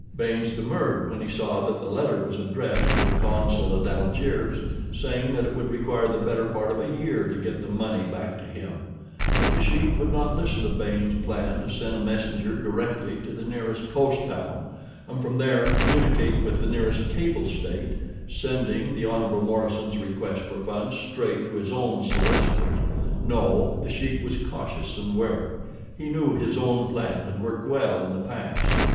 Baynes demurred when he saw that the letter was addressed to the consul at Algiers, saying that it would require the better part of a year to get the money back to him; but The Sheik would not listen to Baynes' plan to send a messenger directly to the nearest coast town, and from there communicate with the nearest cable station, sending the Hon. Morison's request for funds straight to his own solicitors. No, The Sheik was cautious and wary. He knew his own plan had worked well in the past.